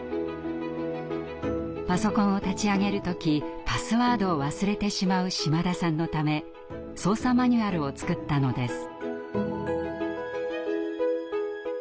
パソコンを立ち上げる時パスワードを忘れてしまう島田さんのため操作マニュアルを作ったのです。